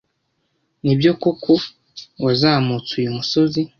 Nibyo koko ko wazamutse uyu musozi?